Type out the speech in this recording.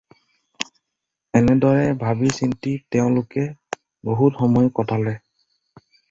এনেদৰে ভাবি চিন্তি তেওঁলোকে বহুত সময় কটালে।